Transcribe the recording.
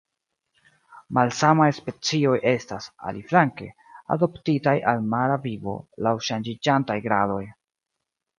Malsamaj specioj estas, aliflanke, adaptitaj al mara vivo laŭ ŝanĝiĝantaj gradoj.